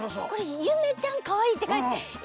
これ「ゆめちゃんかわいい」ってかいて。